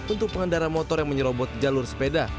untuk pengendara motor yang menyerobot jalur sepeda